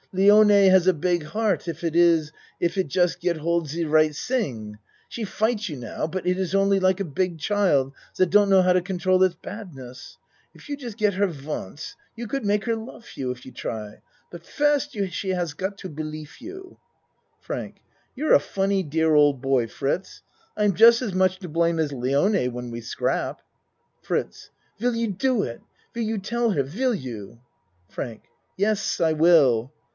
Lione has a big heart, if it is if it just get hold de right ting. She fight you now but it is only like a big child dat don't know how to control its badness. If you just get her once you could make her lof you, if you try but first she has got to belief you. FRANK You're a funny, dear old boy, Fritz. I'm just as much' to blame as Lione when we scrap. FRITZ Will you do it? Will you tell her? Will you? FRANK Yes, I will.